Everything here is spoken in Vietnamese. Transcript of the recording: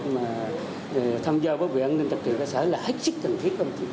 mà tham gia với vị an ninh trật trị xã hội là hết sức cần thiết